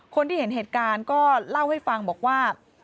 คนที่เห็นเหตุการณ์ก็เล่าให้ฟังบอกว่า